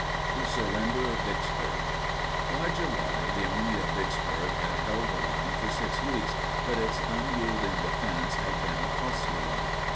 THE SURRENDER OF VICKSBURG. By July, the Army of Vicksburg had held the line for 6 weeks, but its unyielding defense had been a costly one.